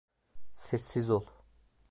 Sessiz ol.